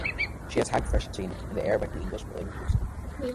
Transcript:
She has high proficiency in the Arabic and English languages.